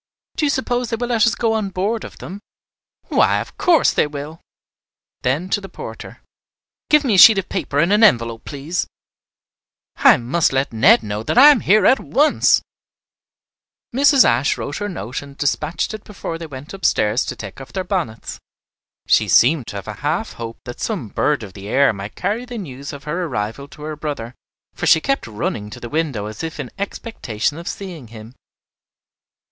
Do you suppose they will let us go on board of them?" "Why, of course they will." Then to the porter, "Give me a sheet of paper and an envelope, please. I must let Ned know that I am here at once." Mrs. Ashe wrote her note and despatched it before they went upstairs to take off their bonnets. She seemed to have a half hope that some bird of the air might carry the news of her arrival to her brother, for she kept running to the window as if in expectation of seeing him.